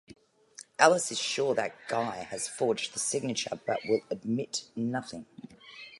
Alice is sure that Guy has forged the signature but he will admit nothing.